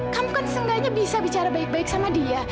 kamu kan seenggaknya bisa bicara baik baik sama dia